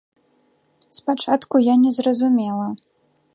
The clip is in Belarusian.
Спачатку я не зразумела.